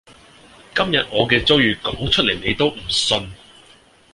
今日我嘅遭遇講出嚟你都唔信